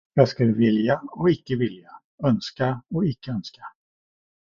Jag skulle vilja och icke vilja, önska och icke önska.